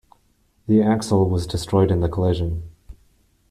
The axle was destroyed in the collision.